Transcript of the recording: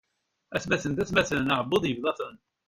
Atmaten d atmaten, aεebbuḍ yebḍa-ten.